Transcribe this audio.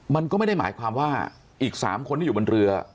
มันก็ไม่ได้หมายความว่าอีก๓คนที่อยู่บนเรือ